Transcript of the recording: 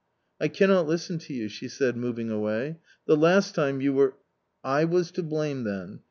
" I cannot listen to you," she said, moving away ;" the last time you were "" I was to blame then.